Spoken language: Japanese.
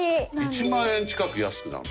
１万円近く安くなる。